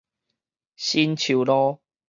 新樹路